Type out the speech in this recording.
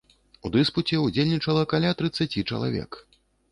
У дыспуце ўдзельнічала каля трыццаці чалавек.